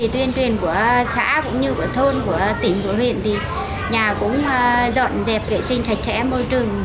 tuyên truyền của xã cũng như của thôn của tỉnh của huyện nhà cũng dọn dẹp vệ sinh sạch sẽ môi trường